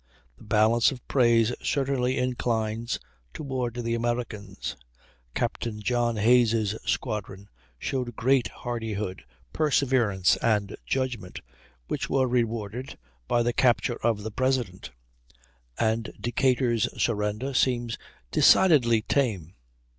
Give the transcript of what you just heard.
The balance of praise certainly inclines toward the Americans. Captain John Hayes' squadron showed great hardihood, perseverance and judgment, which were rewarded by the capture of the President; and Decatur's surrender seems decidedly tame.